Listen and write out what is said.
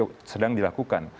itu sedang dilakukan